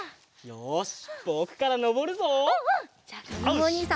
よし！